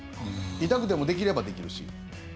痛くてもできればできるし。